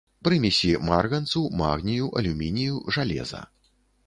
Прымесі марганцу, магнію, алюмінію, жалеза.